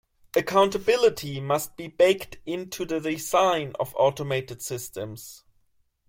Accountability must be baked into the design of automated systems.